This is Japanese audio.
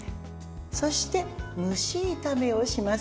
そして、蒸し炒めをします。